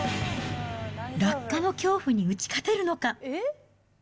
落下の恐怖に打ち勝てるのか。